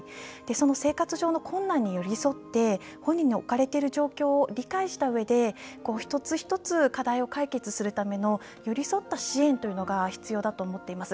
その生活上の困難に寄り添って本人の置かれている状況を理解したうえで一つ一つ課題を解決するための寄り添った支援というのが必要だと思っています。